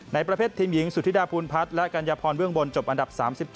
ประเภททีมหญิงสุธิดาภูลพัฒน์และกัญญาพรเบื้องบนจบอันดับ๓๗